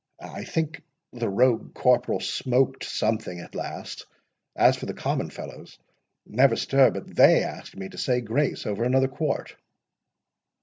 I think the rogue corporal smoked something at last—as for the common fellows, never stir, but they asked me to say grace over another quart."